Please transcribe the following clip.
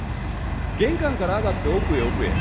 玄関から上がって奥へ奥へ。